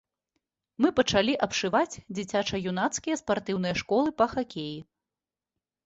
Мы пачалі абшываць дзіцяча-юнацкія спартыўныя школы па хакеі.